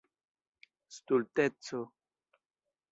stulteco